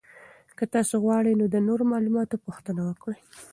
که تاسو غواړئ نو د نورو معلوماتو پوښتنه وکړئ.